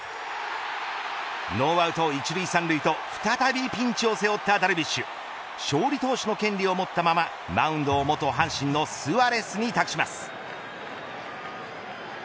ノーアウト一塁三塁と再びピンチを背負ったダルビッシュ勝利投手の権利を持ったままマウンドを元阪神のソアレスに託します。